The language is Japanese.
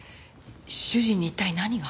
主人に一体何が？